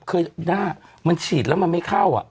เคยแล้วบิ๊ดามันฉีดแล้วมันไม่เข้าอ่ะ